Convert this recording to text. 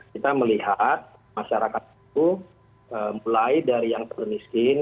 kita melihat masyarakat itu mulai dari yang terlalu miskin